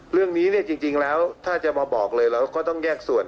เรื่องนี้เนี่ยจริงแล้วถ้าจะมาบอกเลยเราก็ต้องแยกส่วน